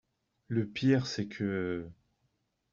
Le pire c'est que…